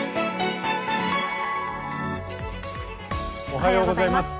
おはようございます。